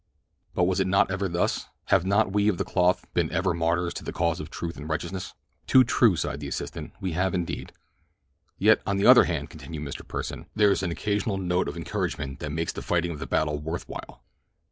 "But was it not ever thus? Have not we of the cloth been ever martyrs to the cause of truth and righteousness?" "Too true," sighed the assistant, "we have, indeed." "Yet, on the other hand," continued Mr. Pursen, "there is an occasional note of encouragement that makes the fighting of the battle worth while."